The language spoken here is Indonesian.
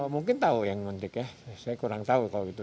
mungkin tahu yang nanti ya saya kurang tahu kalau gitu